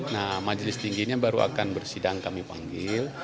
nah majelis tingginya baru akan bersidang kami panggil